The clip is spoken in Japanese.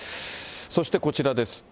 そしてこちらです。